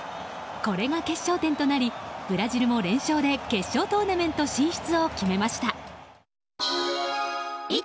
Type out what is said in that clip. これが決勝点となりブラジルも連勝で決勝トーナメント進出を決めました。